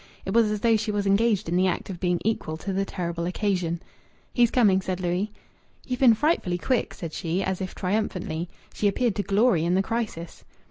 It was as though she was engaged in the act of being equal to the terrible occasion. "He's coming," said Louis. "You've been frightfully quick!" said she, as if triumphantly. She appeared to glory in the crisis.